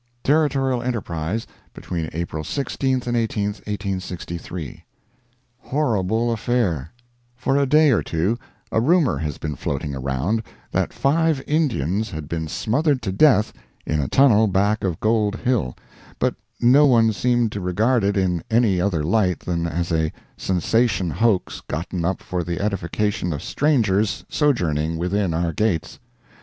Territorial Enterprise, between April 16 18, 1863 HORRIBLE AFFAIR For a day or two a rumor has been floating around, that five Indians had been smothered to death in a tunnel back of Gold Hill, but no one seemed to regard it in any other light than as a sensation hoax gotten up for the edification of strangers sojourning within our gates.